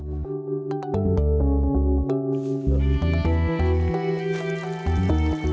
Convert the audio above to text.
pada tahun dua ribu lima belas